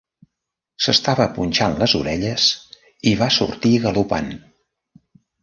S'estava punxant les orelles i va sortir galopant.